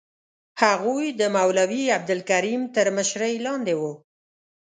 هغوی د مولوي عبدالکریم تر مشرۍ لاندې وو.